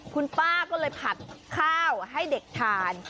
คุณป้าก็เลยผัดข้าวให้เด็กทาน